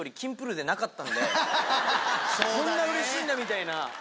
こんなうれしいんだ！みたいな。